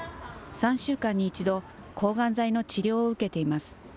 ３週間に１度、抗がん剤の治療を受けています。